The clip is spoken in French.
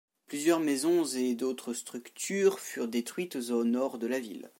Plusieurs maisons et d'autres structures furent détruites au nord de la ville.